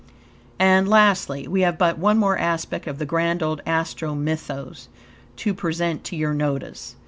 And, lastly, we have but one more aspect of the grand old Astro Mythos to present to your notice.